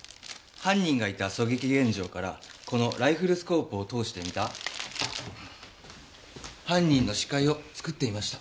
犯人がいた狙撃現場からこのライフルスコープを通して見た犯人の視界を作ってみました。